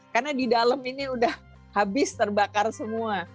karena di dalam ini udah habis terbakar semua